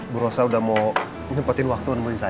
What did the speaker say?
bu rosa udah mau nyepetin waktu nemuin saya